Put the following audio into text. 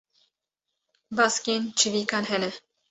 Baskên çivîkan hene.